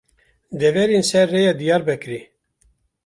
Deverên Ser Rêya Diyarbekirê